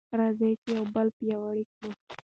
راځئ چې یو بل پیاوړي کړو.